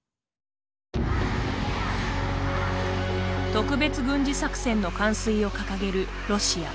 特別軍事作戦の完遂を掲げるロシア。